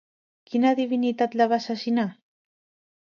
Quina divinitat la va assassinar?